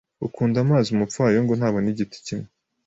ukunda amazi Umupfayongo ntabona igiti kimwe